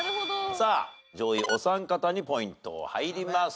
さあ上位お三方にポイント入ります。